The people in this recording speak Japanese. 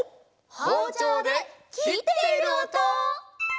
ほうちょうできっているおと！